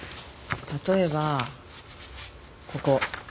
例えばここ。